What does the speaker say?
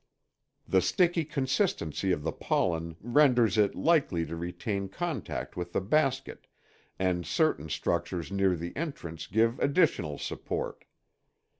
The sticky consistency of the pollen renders it likely to retain contact with the basket, and certain structures near the entrance give additional support.